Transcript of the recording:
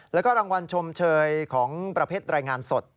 แล้วก็รางวัลชมเชยของประเภทรายงานสด